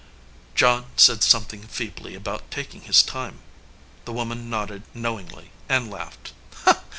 John said something feebly about taking his time. The woman nodded knowingly and laughed.